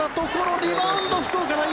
リバウンド福岡第一